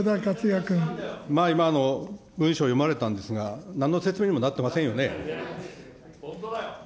今の文書を読まれたんですが、なんの説明にもなってませんよね。